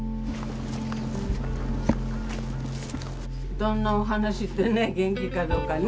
どんなお話ってね元気かどうかね。